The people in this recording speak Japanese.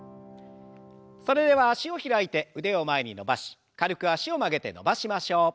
それでは脚を開いて腕を前に伸ばし軽く脚を曲げて伸ばしましょう。